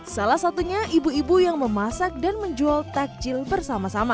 salah satunya ibu ibu yang memasak dan menjual takjil bersama sama